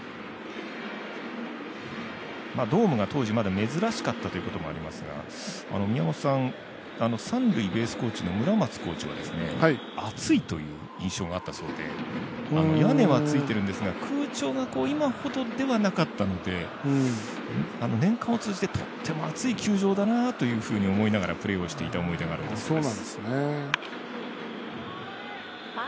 ドームが当時、まだ珍しかったということもありますが宮本さん、三塁ベースコーチの村松コーチは暑いという印象があったそうで屋根はついてるんですが空調が今ほどではなかったので年間を通じてとっても暑い球場だなって思いながらプレーをしていた思い出があるんだそうです。